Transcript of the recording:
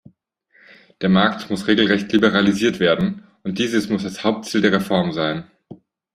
Der Markt muss regelrecht liberalisiert werden, und dies muss das Hauptziel der Reform sein.